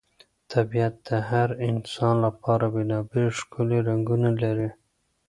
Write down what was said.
طبیعت د هر انسان لپاره بېلابېل ښکلي رنګونه لري.